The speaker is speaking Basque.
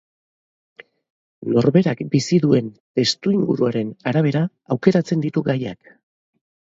Norberak bizi duen testuinguruaren arabera aukeratzen ditu gaiak.